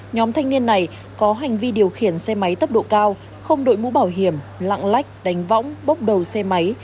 nhóm thanh niên này có hành vi điều khiển xe máy tốc độ cao không đội mũ bảo hiểm lạng lách đánh võng bốc đầu xe máy